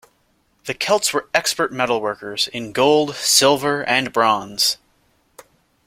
The Celts were expert metalworkers, in gold, silver and bronze.